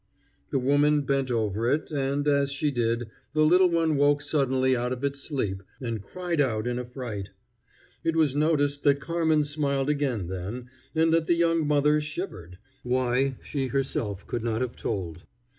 The woman bent over it, and, as she did, the little one woke suddenly out of its sleep and cried out in affright. It was noticed that Carmen smiled again then, and that the young mother shivered, why she herself could not have told.